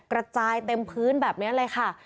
กระจายเต็มพื้นแบบนี้เลยค่ะ